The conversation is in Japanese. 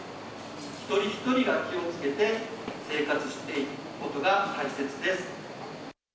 一人一人が気をつけて、生活していくことが大切です。